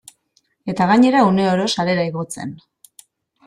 Eta gainera, uneoro sarera igotzen.